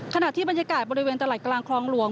ขณะที่บรรยากาศบริเวณตลาดกลางคลองหลวง